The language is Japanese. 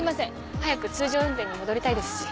早く通常運転に戻りたいですし。